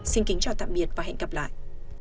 xin kính chào tạm biệt và hẹn gặp lại